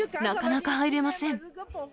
なかなか入れません。